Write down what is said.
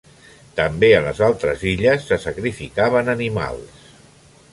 També a les altres illes se sacrificaven animals.